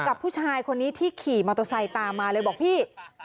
กับผู้ชายคนนี้ที่ขี่มอเตอร์ไซค์ตามมาเลยบอกพี่